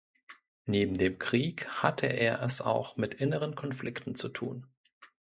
Neben dem Krieg hatte er es auch mit inneren Konflikten zu tun.